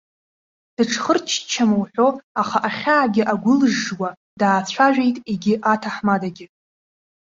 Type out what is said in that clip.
Дыҽхырччама уҳәо, аха ахьаагьы агәылжжуа, даацәажәеит егьи аҭаҳмадагьы.